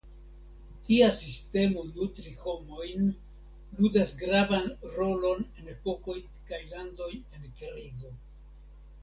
Tia sistemo nutri homojn ludas gravan rolon en epokoj kaj landoj en krizo.